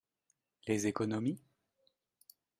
Les économies?